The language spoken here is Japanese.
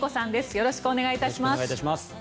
よろしくお願いします。